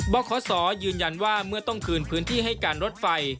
ขอสอยืนยันว่าเมื่อต้องคืนพื้นที่ให้การรถไฟ